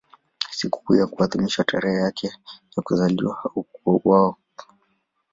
Sikukuu yake huadhimishwa tarehe yake ya kuzaliwa au ya kuuawa.